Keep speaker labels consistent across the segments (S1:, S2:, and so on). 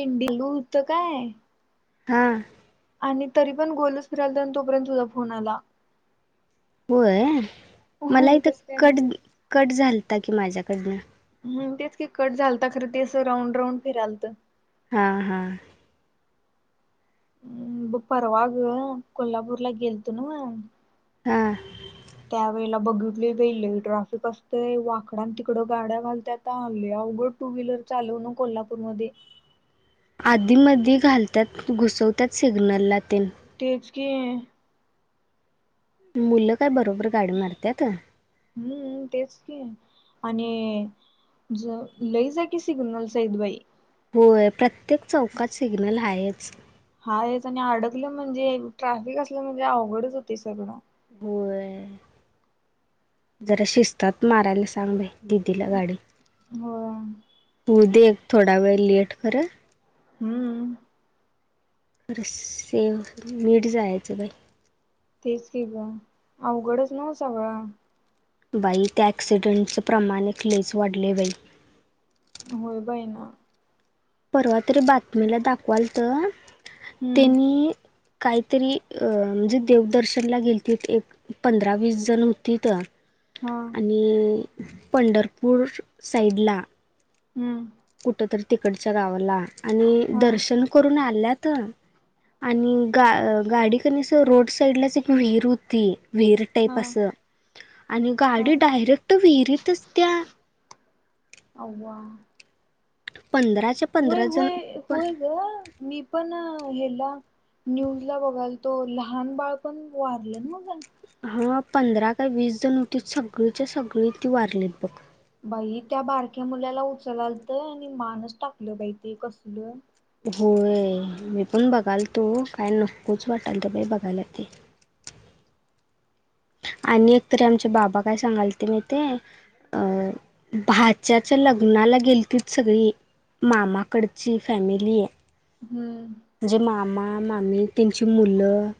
S1: एनडीलू होत काय?
S2: हा.
S1: आणि तरी पण गोलच फिरतन तोपर्यंत तुझा फोन आला.
S2: होय मला
S1: होय
S2: इथे
S1: कसं काय
S2: कट
S1: म्हणजे?
S2: कट झालता कि माझ्याकडंना.
S1: हम तेच की कट झालत खरं त असं राऊंड राऊंड फिरालत.
S2: हा हा!
S1: हम् परवा ग कोल्हापूरला गेलतो ना व.
S2: हा!
S1: त्या वेळेला बघितली बाई लय ट्राफिक असतंय वाकड तिकडं गाड्या घालत आल्या अगं टू व्हीलर चालवू नको कोल्हापूर मध्ये.
S2: आधी मध्ये घालतात घुसवतात सिग्नलला तेन
S1: तेच की
S2: मुलं काय बरोबर गाडी मारतात.
S1: हम्म तेच की आणि जा लय जागी सिग्नल आहेत बाई.
S2: होय प्रत्येक चौकात सिग्नल ह्याच.
S1: हायच आणि अडकलं म्हणजे ट्राफिक असलं म्हणजे अवघडच होती सगळं.
S2: होय जरा शिस्तात मारायला सांग बाई. दिदीला गाडी
S1: होय
S2: तू दे थोडा वेळ लेट कर.
S1: हम!
S2: खर सेव नीट जायचं बाई.
S1: तेच क ग अवघडच न व सगळा.
S2: बाई त्या एक्सीडेंटच प्रमाणलेच लय वाढले बाई.
S1: होय बाय न.
S2: परवा तरी बातमीला दाखवाल त
S1: हम्म
S2: त्यांनी काय तरी अ म्हणजे देवदर्शनल गेलत एक पंधरा वीस जण होती त
S1: हा.
S2: आणि पंढरपूर साईडला
S1: हम्म!
S2: कुठ तरी तिकडच्या गावाला आणि
S1: हा
S2: दर्शन करून आल्यात आणि गा गाडी क अस रोड साईड लाच एक वि्हीर होती. विहिरी
S1: हा
S2: टाईप असं. आणि
S1: हा.
S2: गाडी डायरेक्ट विहिरीतच त्या.
S1: अवा.
S2: पंधराच्या
S1: होय
S2: पंधरा जण
S1: होय होय ग मी पण. हला न्यूज ला बघायल तो लहान बाळ पण वारलं नव्ह ग...
S2: हा पंधरा काय वीस जण होते सगळीच्या सगळी ती वारलीत बघ....
S1: बाई त्या बारक्या मुलाला उचलालत आणि मानच टाकलं बाई ते कसल.
S2: होय मी पण बघाल तो काय नकोच वाटाल तर बाई बघायला ते.... आणि एकतरी आमचे बाबा काय सांगाल ते मी ते अ भाच्याच.... लग्नाला गेल त सगळी मामाकडची फॅमिली....
S1: हम्म.
S2: म्हणजे मामा मामी त्यांची मुलं....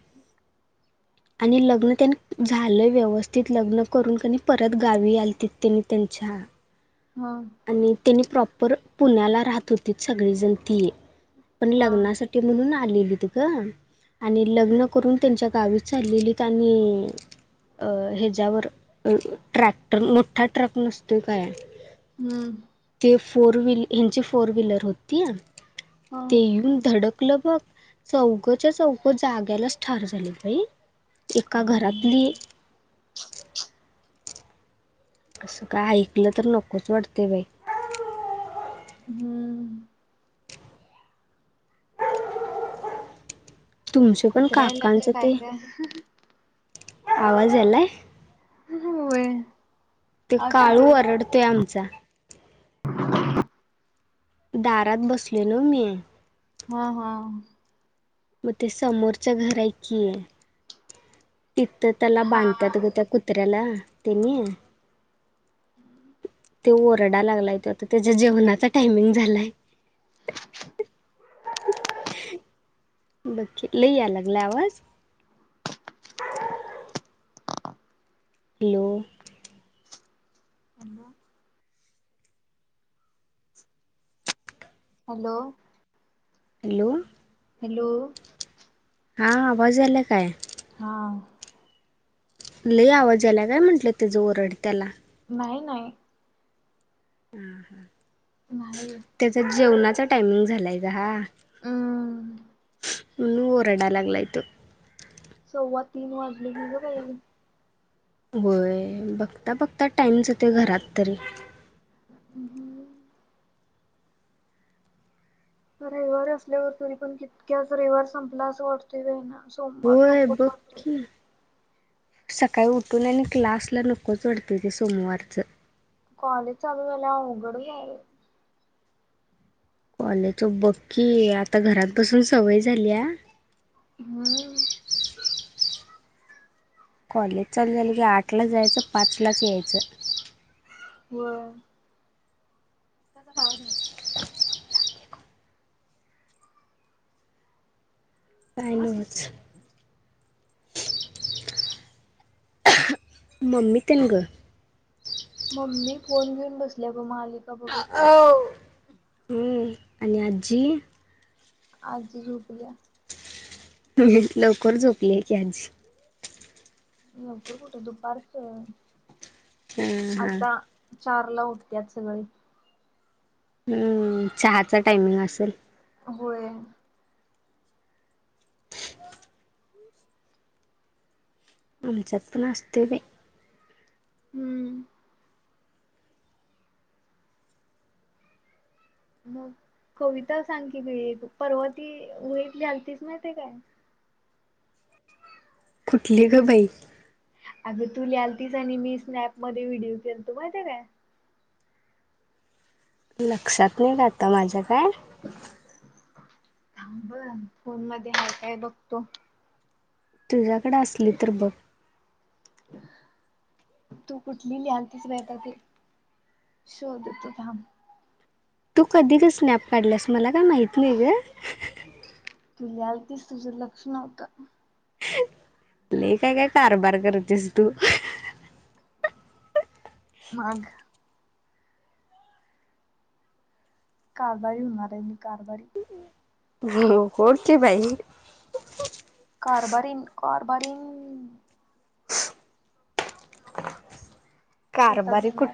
S2: आणि लग्न त्यांनी झालंय व्यवस्थित लग्न करून कनी परत गावी आल त त्यांनी त्यां..... अच्छा..
S1: हम...
S2: त्यांनी प्रॉपर पुण्याला राहत होती, सगळेजण ती ये पण
S1: हा.
S2: लग्नासाठी म्हणून ना... आलेली त ग आणि लग्न करून त्यांच्या गावीत चाललेली आणि... अ ह्याच्यावर अ ट्रॅक्टर मोठा ट्रक नसतोय काय....
S1: हम्म....
S2: ते फोर व ह्याची फोर वीलर होती ते
S1: ह.
S2: येऊन धडक... गलं बघ चौघच्या चौक जाग्यालाच ठार झाले बाई.... एका
S1: काय
S2: घरातली...
S1: नाही.
S2: असं काय ऐकलं तर नकोच वाटतय बाई...
S1: हम्म
S2: तुमचे पण
S1: कुत्री आल्यात का काय का?
S2: आवाजलाय...
S1: होय.
S2: ते
S1: असू
S2: काळू
S1: दे की
S2: ओरडतोय आमचा... दारात बसले न मी....
S1: हा हा
S2: मग ते समोरच्या घरा आहे की आहे... तिथं त्याला
S1: हा
S2: बांधतात ग त्या कुत्र्याला तेनी.... ते ओरडा लागलाय तो आता त्याच्या जेवणाचा टायमिंग झालाय.... बकी लव यायला लागला आवाज... [unintelligible] hello.
S1: Hello. Hello.
S2: Hello.
S1: Hello.
S2: हा आवाज आला काय.
S1: हा.
S2: लय आवाज याला काय म्हंटलं त्या जं ओरड त्याला...
S1: नाही नाही.
S2: ह ह
S1: नाही
S2: त्याचा जेवणाचा टायमिंग झालाय का हा....
S1: हम...
S2: ओरडायला लागलय तो.
S1: सव्वा तीन वाजले ह ग बाई...
S2: होय बघता बघता टाइमच ते घरात तरी....
S1: हम् हम्. रविवार असल्यावर तुरी पण कितक्याच रविवार संपला असं वाटतोय ना.... सोमवार
S2: होय
S1: नकोच वाटतोय.
S2: बक्की.... सकाळी उठून आणि क्लासला नकोच वाढतय ते सोमवारचं...
S1: कॉलेज चालू झाल्यावर आवघड झालं...
S2: कॉलेज बक्की आता घरात बसून सवय झाली..
S1: हम्म...
S2: कॉलेज चालू झालं की आठला जायच पचला जायच
S1: व
S2: ह टनज मम्मी तिन ग
S1: मम्मी फोन घेऊन बसल्या ग माले
S2: हम् आणिनी
S1: अज झुकलया
S2: लवकर झोपली आहे की यांचीी
S1: कर कुठ दुपारच
S2: हम्म हम
S1: आता चार ला उठतेत सगळे
S2: हम्म चहाचा टायमिंग असेल
S1: होय
S2: आमच्यात ना असते
S1: हम्म ह कविता सांग क पर्वती उतली हलतीच माते काय
S2: कुठली ग बाई
S1: अगं तू ल आल तस आणि मी स्नॅप मध्ये व्हिडिओ केलतो माहिती काय
S2: लक्षात नाही जात माझ्या काय
S1: बर फोन मध्ये आहे काय बघतो
S2: तुझ्याकडे असली तर बघ
S1: तू कुठली लिहानतीस मिहता ते शोधत काम
S2: तू कधी ग स्नॅप काढलास मला काय माहित नाही ग
S1: तू ल आल तस तुझं लक्ष नव्हतं
S2: ल काय काय कारभार करतेस तू
S1: मग कारबारी होणार रली कारबारी
S2: हो होडचे भाई
S1: बरन शेतात
S2: कारबारी कुठ
S1: जाणार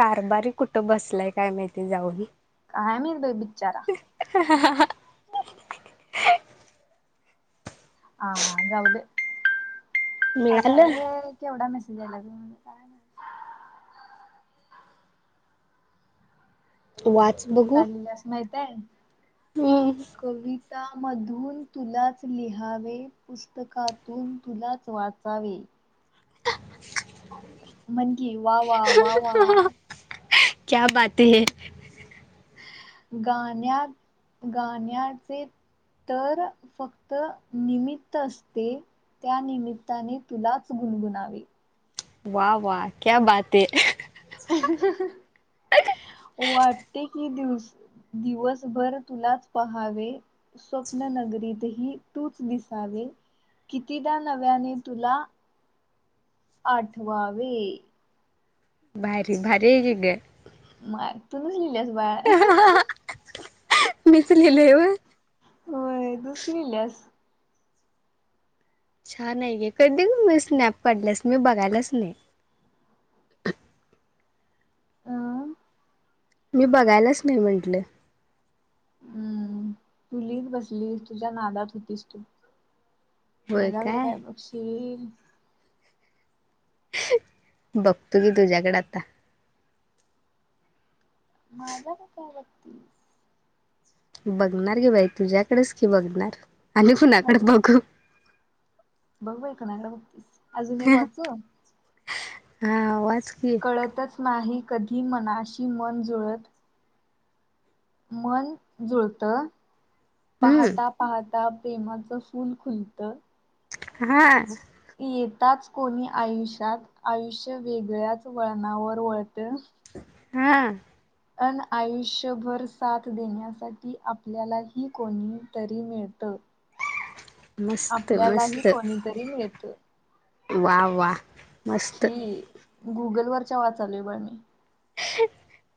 S2: कारबारी कुठं बसलाय काय माहिती जाऊन
S1: काय मितो बिचारा
S2: ह
S1: ह अ एवड
S2: मिळालं
S1: म का
S2: वाच बघू
S1: कालिदास माहित आहे
S2: हम्म
S1: कवी त्यामधून तुलाच लिहावे पुस्तकातून तुलाच वाचावे म्हण की वा वा वा वा
S2: क्या बाात है
S1: गाण्यात गाण्याचे तर फक्त निमित्त असते त्यानिमित्ताने तुलाच गुणगुनावे
S2: वा वा क्या बाात ह
S1: वाटते की दिवस दिवसभर तुलाच पहावे स्वप्न नगर तूच दिसावे कितीदा नव्याने तुला अठवावी.
S2: भारी भारी ही ग.
S1: माग तू नच लिल्यास बाळ.
S2: लीलेव.
S1: होय तूच की लिहिल्यास.
S2: छान आहे गे कधधी म स्नॅप काढलंस मी बघायलास नाही. [inaudible]
S1: अं
S2: मी बघायलाच नाही म्हंटलं.
S1: हम्म तु लिहीच बसलीस तुझ्या नादात होतीस तू. माझ्याकडे काय बक्षील.
S2: बघतो की तुझ्याकडे आता.
S1: माझा ना काय बगतीस
S2: बघणार गी बाई तुझ्याकडेच की बघणार आणि कुणाकडे
S1: माझ्या
S2: बघू
S1: बघ बाई ऐकनाड बघतीस अजून एक वाचू.
S2: हा वाद.
S1: कळतच नाही कधी मनाशी मन जुळत मन जुळत
S2: हम्म
S1: पाहता पाहता प्रेमाचं फुल खुलत,.
S2: हा.
S1: येताच कोणी आयुष्यात आयुष्य वेगळ्याच वळणावर वळतं.
S2: हा.
S1: अन आयुष्यभर साथ देण्यासाठी आपल्यालाही कोणी तरी मिळतं. हो.
S2: मस्त मस्त
S1: कोणीतरी
S2: वा वा. मस्त
S1: गुगल वरच्या वाचालूय ब मी.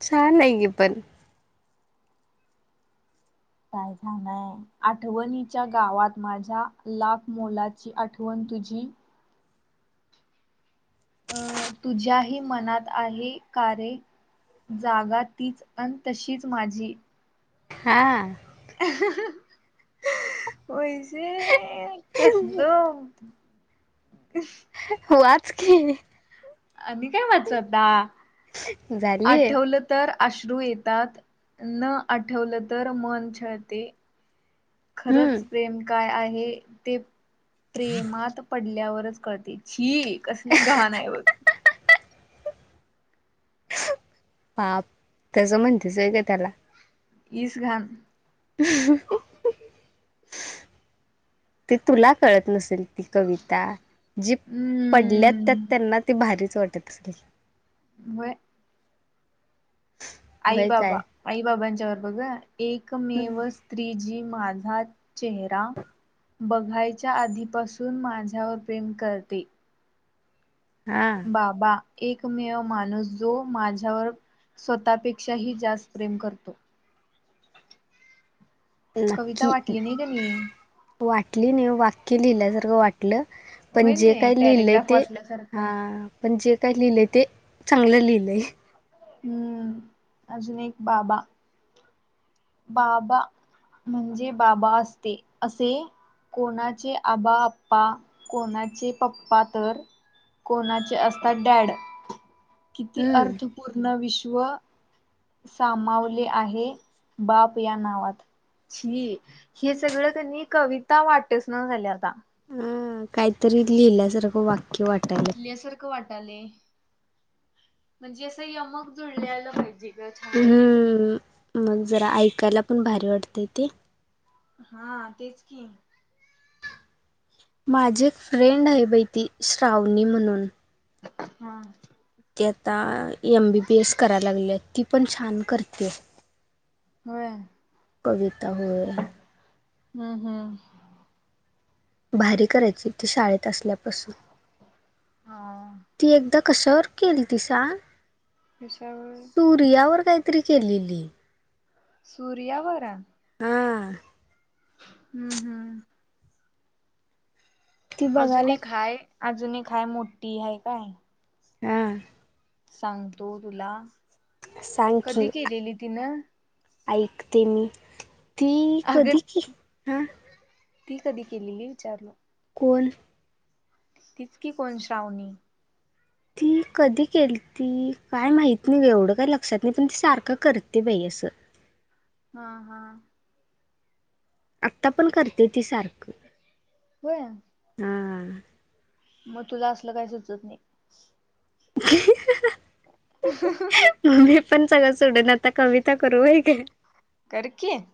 S2: छान आहे गी पण.
S1: काय छाणय आठवणीच्या गावात माझ्या लाख मोलाची आठव. तुझी. अं तुझ्याही मनात आहे कार रे जागा तीच अन तशीच माझी
S2: हा.
S1: वैसे कसलो. [inaudible]
S2: वाच की.
S1: आणि काय वाचूआता.
S2: झालीय.
S1: आश्रू येतात न आठवलं तर मन छळते.
S2: हम्म
S1: खरंच प्रेम काय आहे ते प्रेमात पडल्यावरच कळते शी कसली घाणे व.
S2: बाप तस म्हणतेसय व्हय ग त्याला.
S1: इसघान.
S2: ह [inaudible] ते तुला कळत नसेल. ती कविता जी पडल्या त्या
S1: हम्म
S2: त्यांना ती भारीच वाटत असले.
S1: व्हय. आई
S2: व्हय
S1: बाबा
S2: काय
S1: आई बाबांच्यावर बघ ह एकमेव स्त्रीजी माझा चेहरा बघायच्या आधीपासून माझ्यावर प्रेम करते.
S2: हा
S1: बाबा एकमेव माणूस जो माझ्यावर स्वतःपेक्षाही जास्त प्रेम करतो. कविता
S2: लकी.
S1: वाटली नाही कणी.
S2: वाटली नाहीव वाक्य लिहिल्या सारखं वाट लं पण
S1: होय
S2: जे
S1: नाही
S2: काय लिहिलंय
S1: पॅरेग्राफ
S2: ते हा
S1: वाचल्यासारखं.
S2: पण जे काय लिहिलंय ते चांगलं लिहिलंय
S1: हम्म अजुून एक बाबा बाबा म्हणजे बाबा असते असे कोणाचे आबाआप्पा कोणाचे पप्पा तर कोणाचे असतात डॅड किती
S2: हम्म
S1: अर्थपूर्ण विश्व सामावले आहे बाप या नावात छी हे सगळं त्यांनी कविता वाटच ना झाली आता
S2: हा काहीतरी लिहिल्यासारखं वाक्य वाटायला
S1: उठल्यासारखं वाटाले म्हणजे असं यमक जुडलेलं पाहिजे ग छान वाटते.
S2: हम्म मग जरा ऐकायला पण भारी वाटतेय ते
S1: हा तेच कि
S2: माझी एक फ्रेंड आहे बहिती श्रावणी म्हणून
S1: हा
S2: ते आता ए म बी बी ए स करायला लागली ती पण छान करते
S1: होय
S2: कविता हो आहे
S1: हम् हम्
S2: भारी करायची ती शाळेत असल्यापासून
S1: हा
S2: ती एकदा कशावर केली ती सांग
S1: कशावर
S2: सूर्यावर काहीतरी केलेली
S1: सूर्या वर
S2: हा
S1: हम्म हम्म
S2: ती बघायला
S1: अजूनही खाय अजून खाय मोठी आहे काय
S2: हा
S1: सांगतो तुला
S2: सांग
S1: कधी
S2: की
S1: केलेली तिनं
S2: ऐकते मी ती
S1: अगं
S2: कधी की हा
S1: ती कधी केलेली विचारलं
S2: कोल
S1: तिचकी कोण श्रावणी
S2: ठीक कधी केल त काय माहित नाही एवढं काही लक्षात नाही पण ती सारखं करते बाई असं
S1: हा हा
S2: आता पण करते ती सारखं
S1: होय
S2: हा
S1: मग तुला असल काही सुचत नाही हं हं
S2: पणचाला सोडून आता कविता करू का
S1: कर की.